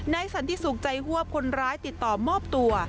สันติสุขใจฮวบคนร้ายติดต่อมอบตัว